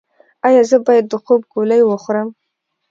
ایا زه باید د خوب ګولۍ وخورم؟